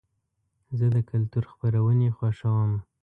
زه د کلتور خپرونې خوښوم.